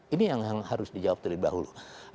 ini yang harus dijawab terlebih dahulu